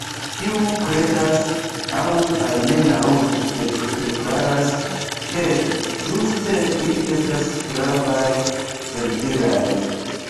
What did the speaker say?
Ĉiu kredas, aŭ almenaŭ deklaras, ke ĝuste ili estas pravaj, verdiraj.